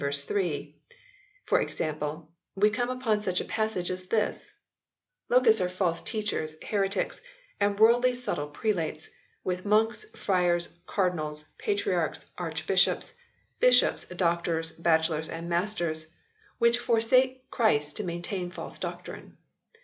3, for example, we come upon such a passage as this :" Locusts are false teachers, heretics, and worldly subtle prelates, with monks, friars, cardinals, patriarchs, archbishops, bishops, doctors, bachelors and masters, which for v] THREE RIVAL VERSIONS 85 sake Christ to maintain false doctrine."